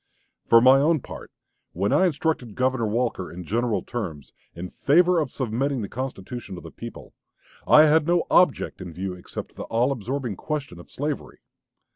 "For my own part, when I instructed Governor Walker in general terms, in favor of submitting the constitution to the people, I had no object in view except the all absorbing question of slavery....